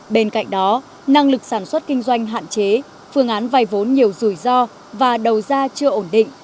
bên cạnh đó năng lực sản xuất kinh doanh hạn chế phương án vay vốn nhiều rủi ro và đầu ra chưa ổn định